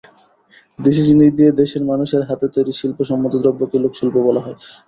দেশি জিনিস দিয়ে দেশের মানুষের হাতে তৈরি শিল্পসম্মত দ্রব্যকেই লোকশিল্প বলা হয়।